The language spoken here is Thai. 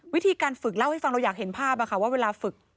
วิธีการฝึกเล่าให้ฟังเราอยากเห็นภาพว่าเวลาฝึก